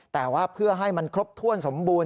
แต่ว่าเพื่อให้มันครบถ้วนสมบูรณ